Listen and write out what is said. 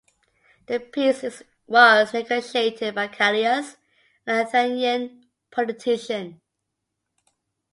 The peace was negotiated by Callias, an Athenian politician.